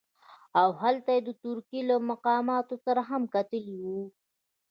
او هلته یې د ترکیې له مقاماتو سره هم کتلي وو.